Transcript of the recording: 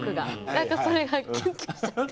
なんかそれがキュンキュンしちゃって。